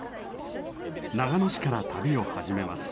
長野市から旅を始めます。